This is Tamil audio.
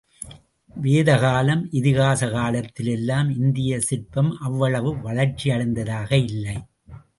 வேதகாலம், இதிகாச காலத்தில் எல்லாம் இந்தியச் சிற்பம் அவ்வளவு வளர்ச்சியடைந்ததாக இல்லை.